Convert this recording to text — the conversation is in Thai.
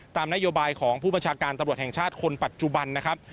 ตามนโยบายของผู้บัญชาการตำรวจแห่งชาติคนปัจจุบันนะครับ